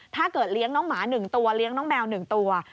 เลี้ยงน้องหมา๑ตัวเลี้ยงน้องแมว๑ตัว